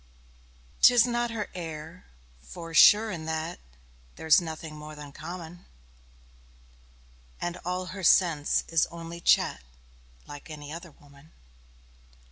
'Tis not her air, for sure in that There's nothing more than common; And all her sense is only chat Like any other woman.